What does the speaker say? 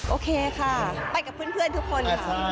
โอเคค่ะไปกับเพื่อนทุกคนค่ะ